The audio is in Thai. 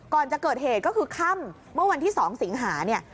ก่อนจะเกิดเหตุก็คือค่ำเมื่อวันที่๒สิงหาเนี่ย